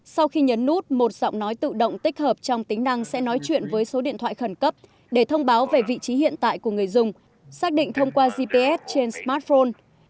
sau khi nhấn nút một giọng nói tự động tích hợp trong tính năng sẽ nói chuyện với số điện thoại khẩn cấp để thông báo về vị trí hiện tại của người dùng xác định thông qua gps trên smartphone